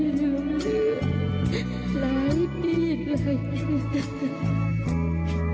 หลายปีหลาย